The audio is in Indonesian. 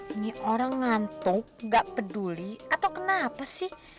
ini orang ngantuk gak peduli atau kenapa sih